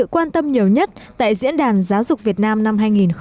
quan tâm nhiều nhất tại diễn đàn giáo dục việt nam năm hai nghìn một mươi tám